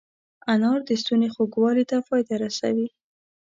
انار د ستوني خوږوالي ته فایده رسوي.